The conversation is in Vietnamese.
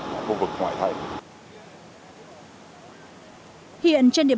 vẫn tốt chúng tôi quay trên ace triển về đây